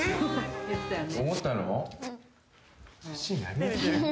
言ってたよね